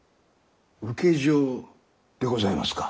請状でございますか？